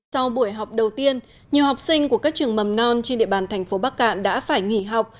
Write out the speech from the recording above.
sau buổi học đầu tiên nhiều học sinh của các trường mầm non trên địa bàn thành phố bắc cạn đã phải nghỉ học